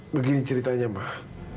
begini ceritanya pak